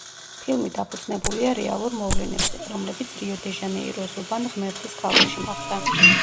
ფილმი დაფუძნებულია რეალურ მოვლენებზე, რომლებიც რიო-დე-ჟანეიროს უბან ღმერთის ქალაქში მოხდა.